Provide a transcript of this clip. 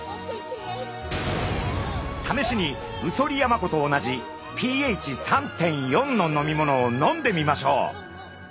ためしに宇曽利山湖と同じｐＨ３．４の飲み物を飲んでみましょう。